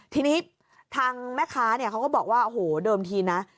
ทีนี้ทางแม่ค้าเขาก็บอกว่าเดิมทีนะ